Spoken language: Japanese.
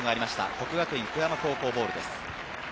國學院久我山高校ボールです。